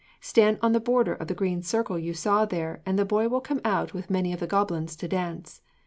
Stand on the border of the green circle you saw there, and the boy will come out with many of the goblins to dance.